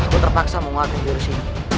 aku terpaksa menguatkan diri sendiri